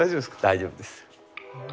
大丈夫です。